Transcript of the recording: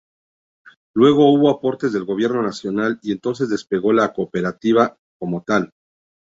Luego hubo aportes del gobierno nacional y entonces despegó la cooperativa como tal.